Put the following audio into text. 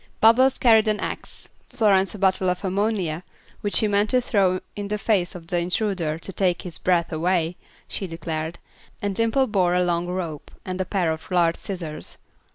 Bubbles carried an axe, Florence a bottle of ammonia, which she meant to throw in the face of the intruder "to take his breath away," she declared; and Dimple bore a long rope and a pair of large scissors.